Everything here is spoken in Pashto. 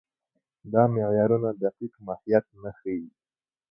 دا معیارونه دقیق ماهیت نه ښيي.